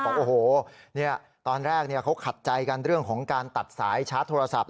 บอกโอ้โหตอนแรกเขาขัดใจกันเรื่องของการตัดสายชาร์จโทรศัพท์